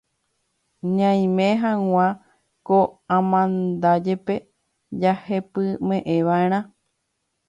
Ñaime hag̃ua ko amandajépe jahepymeʼẽvaʼerã.